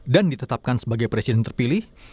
dan ditetapkan sebagai presiden terpilih